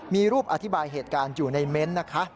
มีรูปอธิบายเหตุการณ์อยู่ในเมนต์นะคะ